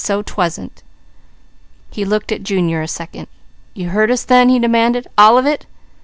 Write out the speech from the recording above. "So 'twasn't!" He looked at Junior a second. "You heard us, then?" he demanded. "All of it?"